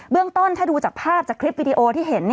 เรื่องต้นถ้าดูจากภาพจากคลิปวิดีโอที่เห็น